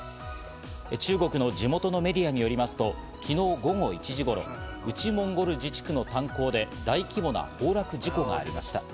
中国の地元のメディアによりますと昨日午後１時頃、内モンゴル自治区の炭鉱で大規模な崩落事故がありました。